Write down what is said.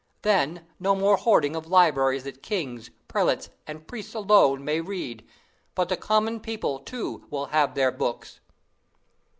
Then, no more hoarding of libraries that kings, prelates, and priests alone may read; but the common people, too, will have their books."